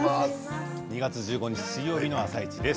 ２月１５日水曜日の「あさイチ」です。